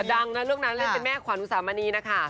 ดังนะเรื่องนั้นเล่นเป็นแม่ขวัญอุสามณีนะคะ